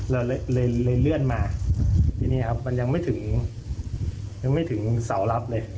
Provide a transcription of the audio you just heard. เราเลยเลื่อนมาทีนี้ครับมันยังไม่ถึงเสาลับเลย